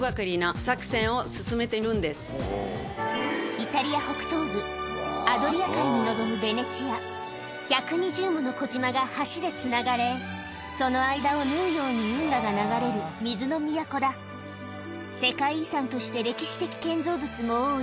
イタリア北東部アドリア海に望むベネチア１２０もの小島が橋でつながれその間を縫うように運河が流れる世界遺産として歴史的建造物も多い